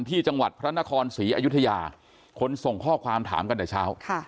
ที่จังหวัดพระนครศรีอยุธยาคนส่งข้อความถามกันแต่เช้า